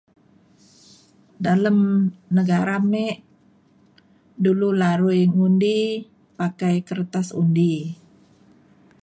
Dalem negara mek dulu larui ngundi pakai kertas undi.